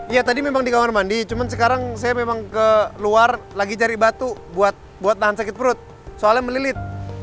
ya tadi memang di kamar mandi cuman sekarang saya memang ke luar lagi cari batu buat tahan sakit perut soalnya melilit